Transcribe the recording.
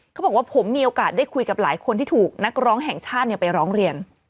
เขาบอกว่าผมมีโอกาสได้คุยกับหลายคนที่ถูกนักร้องแห่งชาติไปร้องเรียน